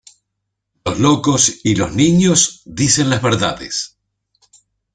Los locos y los niños dicen las verdades.